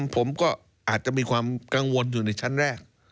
ผมก็อาจจะมีความกังวลอยู่ในชั้นแรก